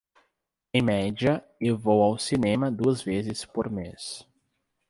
Em média, eu vou ao cinema duas vezes por mês.